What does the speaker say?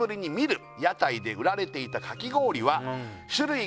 「屋台で売られていたかき氷は種類が多く」